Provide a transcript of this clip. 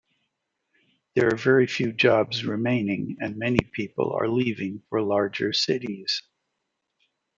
There are very few jobs remaining, and many people are leaving for larger cities.